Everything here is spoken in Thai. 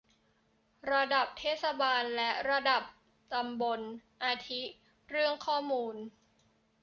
ระดับเทศบาล และ ระดับตำบล อาทิ เรื่องข้อมูล